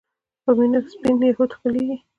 په مينه سپين يهود خپلېږي